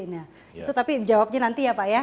itu tapi jawabnya nanti ya pak ya